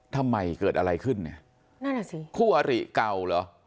ทำไมเกิดอะไรขึ้นเนี่ยคู่อริเก่าเหรอ